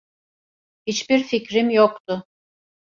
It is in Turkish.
Hiç bir fikrim yoktu.